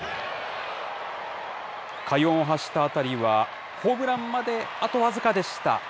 快音を発した当たりは、ホームランまであと僅かでした。